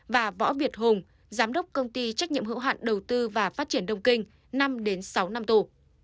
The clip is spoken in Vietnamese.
và võ việt hùng giám đốc công ty trách nhiệm hữu hạn đầu tư và phát triển đông kinh năm sáu năm tù